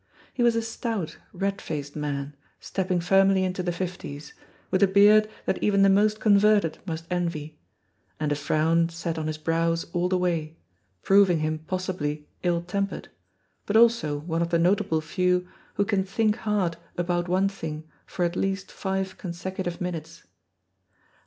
He was a stout, red faced man, stepping firmly into the fifties, with a beard that even the most converted must envy, and a frown sat on his brows all the way, proving him possibly ill tempered, but also one of the notable few who can think hard about one thing for at least five consecutive minutes.